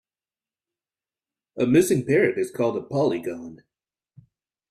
A missing parrot is called a polygon.